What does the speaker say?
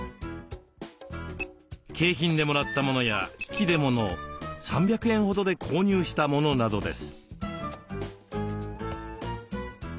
景品でもらったものや引き出物３００円ほどで購入したものなどです。